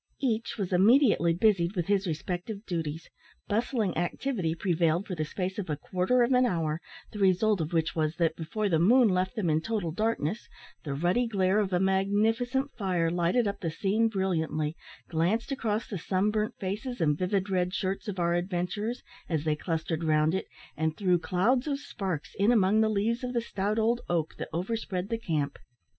Each was immediately busied with his respective duties. Bustling activity prevailed for the space of a quarter of an hour, the result of which was that, before the moon left them in total darkness, the ruddy glare of a magnificent fire lighted up the scene brilliantly, glanced across the sun burnt faces and vivid red shirts of our adventurers, as they clustered round it, and threw clouds of sparks in among the leaves of the stout old oak that overspread the camp.